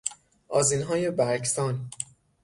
آذینهای برگسان